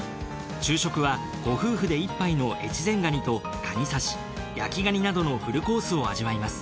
昼食はご夫婦で１杯の越前ガニとカニ刺し焼きガニなどのフルコースを味わいます。